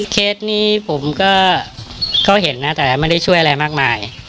เคสนี้ผมก็เขาเห็นนะแต่ไม่ได้ช่วยอะไรมากมาย